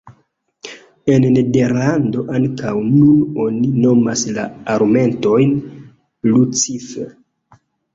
En Nederlando ankaŭ nun oni nomas la alumetojn lucifer.